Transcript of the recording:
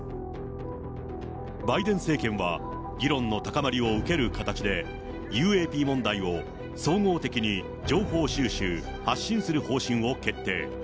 バイデン政権は、議論の高まりを受ける形で、ＵＡＰ問題を総合的に情報収集・発信する方針を決定。